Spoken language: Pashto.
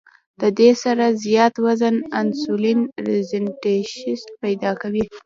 د دې سره زيات وزن انسولين ريزسټنس پېدا کوي